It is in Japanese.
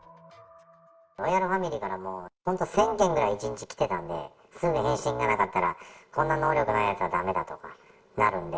ロイヤルファミリーから、本当１０００件ぐらい１日来てたんで、すぐ返信がなかったら、こんな能力のないやつはだめだとかなるんで。